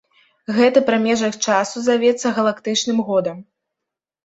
Гэты прамежак часу завецца галактычным годам.